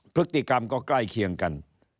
พฤติกรรมก็ใกล้เคียงกัน